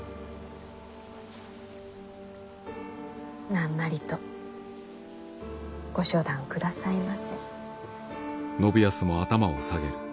何なりとご処断くださいませ。